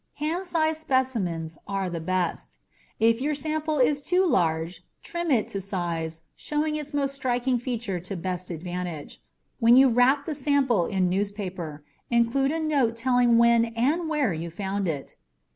Hand sized specimens are best. If your sample is too large, trim it to size, showing its most striking feature to best advantage. When you wrap the sample in newspaper, include a note telling when and where you found it.